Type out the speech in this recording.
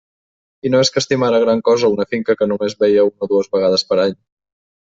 I no és que estimara gran cosa una finca que només veia una o dues vegades per any.